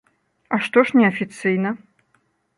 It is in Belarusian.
А што ж не афіцыйна?